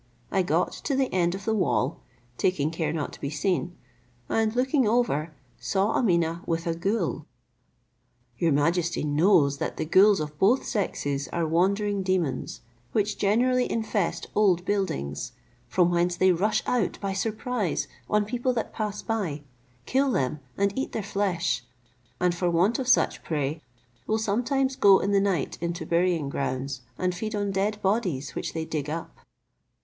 I got to the end of the wall, taking care not to be seen, and looking over, saw Ameeneh with a ghoul. Your majesty knows that the ghouls of both sexes are wandering demons, which generally infest old buildings; from whence they rush out, by surprise, on people that pass by, kill them, and eat their flesh; and for want of such prey, will sometimes go in the night into burying grounds, and feed on dead bodies which they dig up.